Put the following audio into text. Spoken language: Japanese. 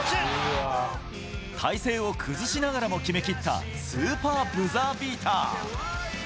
体勢を崩しながらも決めきったスーパーブザービーター。